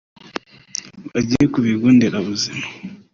Bajye ku bigo nderabuzima